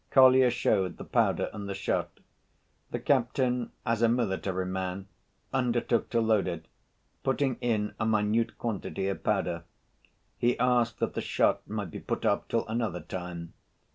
Kolya showed the powder and the shot. The captain, as a military man, undertook to load it, putting in a minute quantity of powder. He asked that the shot might be put off till another time.